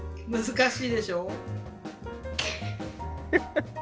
難しいでしょう？